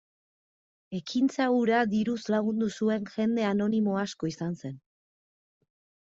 Ekintza hura diruz lagundu zuen jende anonimo asko izan zen.